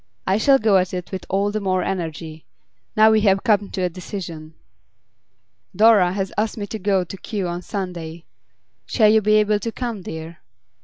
I shall go at it with all the more energy, now we have come to a decision.' 'Dora has asked me to go to Kew on Sunday. Shall you be able to come, dear?